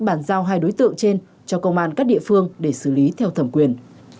bàn giao hai đối tượng trên cho công an các địa phương để xử lý theo thẩm quyền